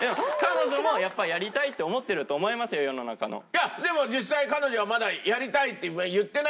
いやでも実際彼女はまだやりたいって言ってないでしょ？